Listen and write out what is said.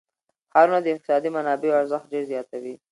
ښارونه د اقتصادي منابعو ارزښت ډېر زیاتوي.